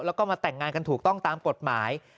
แล้วก็มาแต่งงานกันถูกต้องตามกฎหมาย